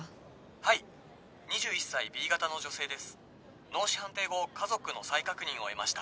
☎はい２１歳Ｂ型の女性です☎脳死判定後家族の再確認を得ました